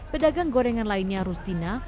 pedagang gorengan lainnya rustina